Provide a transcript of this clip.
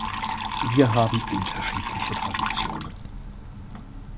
Wir haben unterschiedliche Traditionen.